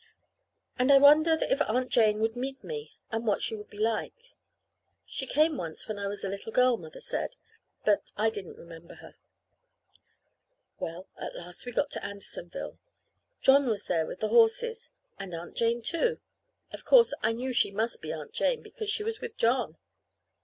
And I wondered if Aunt Jane would meet me, and what she would be like. She came once when I was a little girl, Mother said; but I didn't remember her. Well, at last we got to Andersonville. John was there with the horses, and Aunt Jane, too. Of course I knew she must be Aunt Jane, because she was with John.